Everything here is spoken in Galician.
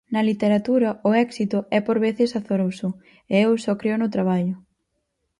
Na literatura o éxito é por veces azaroso e eu só creo no traballo.